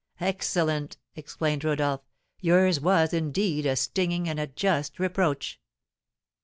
'" "Excellent!" exclaimed Rodolph; "yours was, indeed, a stinging and a just reproach."